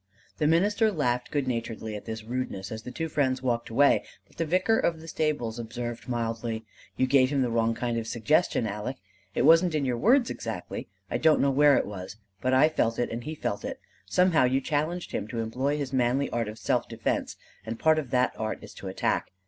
The minister laughed good naturedly at this rudeness as the two friends walked away; but the vicar of the stables observed mildly: "You gave him the wrong kind of suggestion, Aleck. It wasn't in your words exactly; I don't know where it was; but I felt it and he felt it: somehow you challenged him to employ his manly art of self defence; and part of that art is to attack.